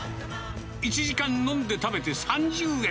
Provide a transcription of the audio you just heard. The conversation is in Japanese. １時間飲んで食べて３０円。